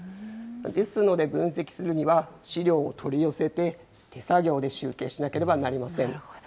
ですので、分析するには資料を取り寄せて、手作業で集計しなければなりません。